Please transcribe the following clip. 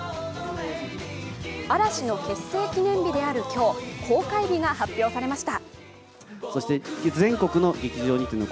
嵐の結成記念日である今日、公開日が発表されました。